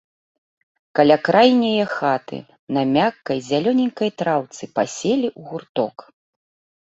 Каля крайняе хаты, на мяккай зялёненькай траўцы, паселі ў гурток.